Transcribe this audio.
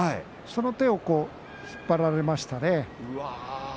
その手を引っ張られましたね。